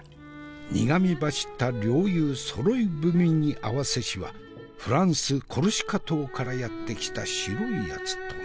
苦みばしった両雄そろい踏みに合わせしはフランス・コルシカ島からやって来た白いやつとな？